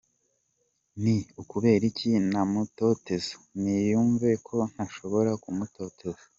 Ni ukubera iki namutoteza? Niyumve ko ntashobora kumutoteza”.